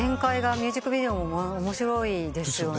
ミュージックビデオも面白いですよね。